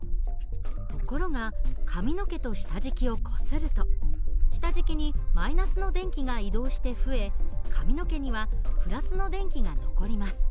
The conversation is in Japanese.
ところが髪の毛と下敷きをこすると下敷きに−の電気が移動して増え髪の毛には＋の電気が残ります。